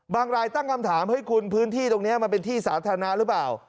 รายตั้งคำถามเฮ้ยคุณพื้นที่ตรงนี้มันเป็นที่สาธารณะหรือเปล่า